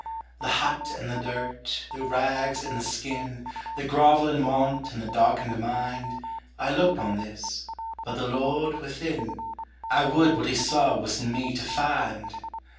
The hut and the dirt, the rags and the skin, The grovelling want and the darkened mind, I looked on this; but the Lord, within: I would what he saw was in me to find!